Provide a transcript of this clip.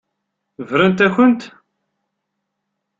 Brant-akent.